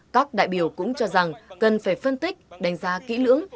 các đại biểu cũng cho rằng cần phải phân tích đánh giá kỹ lưỡng